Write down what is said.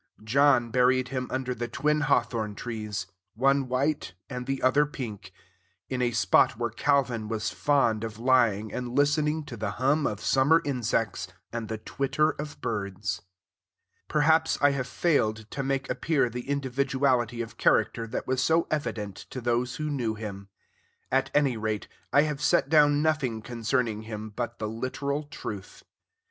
John buried him under the twin hawthorn trees, one white and the other pink, in a spot where Calvin was fond of lying and listening to the hum of summer insects and the twitter of birds. Perhaps I have failed to make appear the individuality of character that was so evident to those who knew him. At any rate, I have set down nothing concerning him, but the literal truth.